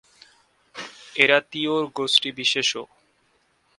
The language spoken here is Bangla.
এরা তিওড় গোষ্ঠীবিশেষও।